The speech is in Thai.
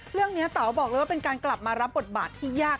เรื่องนี้เต๋าบอกเลยว่าเป็นการกลับมารับบทบาทที่ยาก